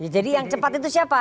yang cepat itu siapa